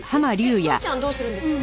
えっ宗ちゃんどうするんですか？